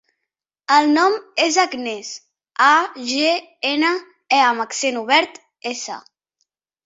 El nom és Agnès: a, ge, ena, e amb accent obert, essa.